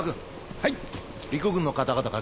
はい。